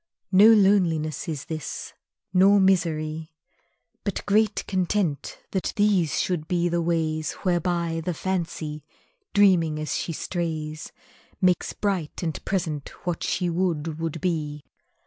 No loneliness is this, nor misery, But great content that these should be the ways Whereby the Fancy, dreaming as she strays, Makes bright and present what she would would be.